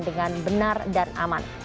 dengan benar dan aman